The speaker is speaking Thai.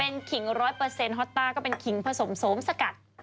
เป็นขิงรสเปอร์เซ็นต์ฮอตต้าก็เป็นขิงผสมโสมสกัด